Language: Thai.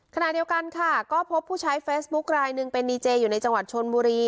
ขณะเดียวกันค่ะก็พบผู้ใช้เฟซบุ๊คลายหนึ่งเป็นดีเจอยู่ในจังหวัดชนบุรี